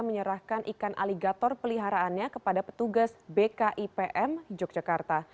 menyerahkan ikan aligator peliharaannya kepada petugas bkipm yogyakarta